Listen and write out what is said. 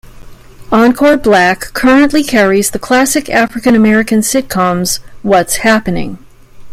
Encore Black currently carries the classic African American sitcoms What's Happening!!